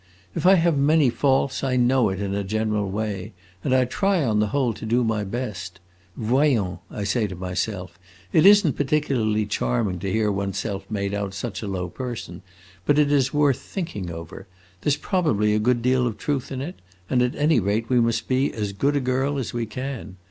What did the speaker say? If I have many faults I know it, in a general way, and I try on the whole to do my best. 'Voyons,' I say to myself, 'it is n't particularly charming to hear one's self made out such a low person, but it is worth thinking over; there 's probably a good deal of truth in it, and at any rate we must be as good a girl as we can.